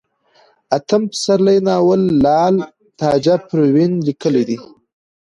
اتم پسرلی ناول لال تاجه پروين ليکلئ دی